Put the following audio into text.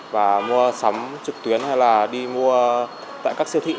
và mua sắm trực tuyến hay là đi mua tại các siêu thị